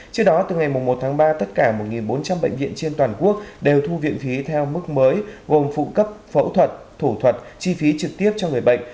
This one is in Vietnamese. trước đó từ ngày một tháng ba tất cả một bốn trăm linh bệnh viện trên toàn quốc đều thu viện phí theo mức mới gồm phụ cấp phẫu thuật thủ thuật chi phí trực tiếp cho người bệnh